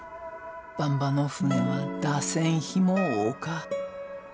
ばんばの船は出せん日も多か。